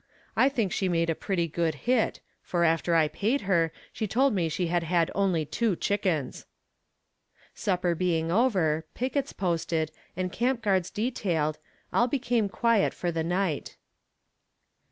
I think she made a pretty good hit, for after I paid her, she told me she had had only two chickens." Supper being over, pickets posted, and camp guards detailed, all became quiet for the night.